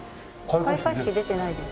開会式出てないです。